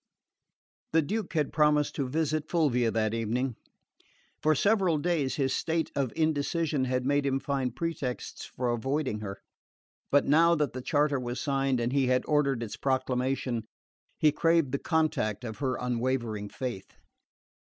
The Duke had promised to visit Fulvia that evening. For several days his state of indecision had made him find pretexts for avoiding her; but now that the charter was signed and he had ordered its proclamation, he craved the contact of her unwavering faith.